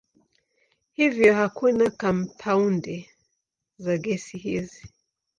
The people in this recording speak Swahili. Hivyo hakuna kampaundi za gesi hizi.